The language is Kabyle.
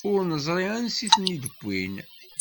Ur neẓri ansi i ten-id-wwin.